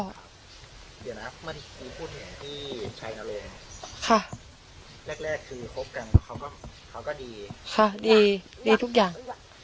ที่ไทยฟะแหละครับค่ะแรกคือค่ะดีดีทุกอย่าง